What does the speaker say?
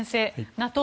ＮＡＴＯ